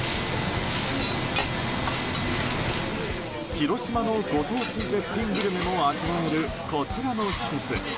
広島県のご当地絶品グルメも味わえる、こちらの施設。